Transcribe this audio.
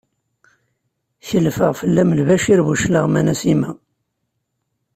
Kelfeɣ fell-am Lbacir Buclaɣem a Nasima!